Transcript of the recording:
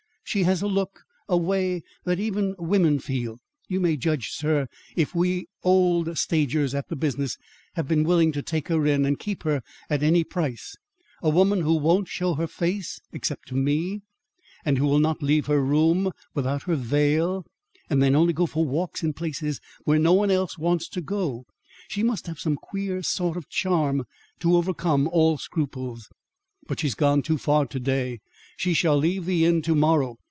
She has a look a way, that even women feel. You may judge, sir, if we, old stagers at the business, have been willing to take her in and keep her, at any price, a woman who won't show her face except to me, and who will not leave her room without her veil and then only for walks in places where no one else wants to go, she must have some queer sort of charm to overcome all scruples. But she's gone too far to day. She shall leave the Inn to morrow.